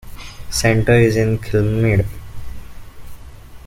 Centre is in Kilnmead.